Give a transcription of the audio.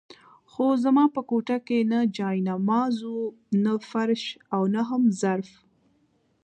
خو زما په کوټه کې نه جاینماز وو، نه فرش او نه هم ظرف.